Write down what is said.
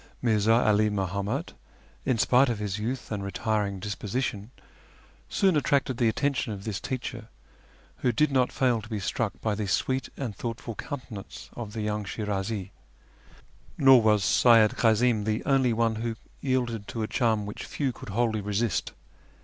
Mi'rza 'All Muhammad, in spite of his youth and retiring dis position, soon attracted the attention of this teacher, who did not fail to be struck by the sweet and thoughtful countenance of the young Shirazi. Nor was Seyyid Kazim the only one who yielded to a charm which few could wholly resist.